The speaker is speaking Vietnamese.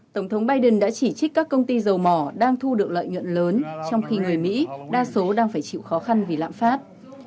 tổng thống biden đã chỉ trích các công ty dầu mỏ đang thu được lợi nhuận lớn trong khi người mỹ đa số đang phải chịu khó khăn vì lạm phát